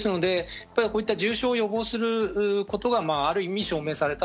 重症を予防することがある意味、証明された。